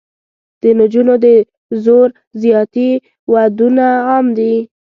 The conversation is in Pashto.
د نجونو د زور زیاتي ودونه عام دي.